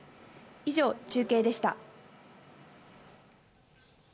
以上、中継でした。